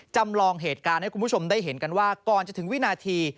จำลองเหตุการณ์ให้คุณผู้ชมได้เห็นกันว่าก่อนจะถึงวินาที